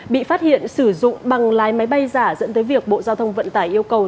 bị phát hiện sử dụng bằng lái máy bay giả dẫn tới việc bộ giao thông vận tải yêu cầu